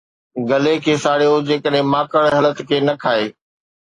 گلي کي ساڙيو جيڪڏهن ماڪڙ هلت کي نه کائي